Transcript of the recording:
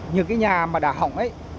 như cái nhà mà đà hỏng ấy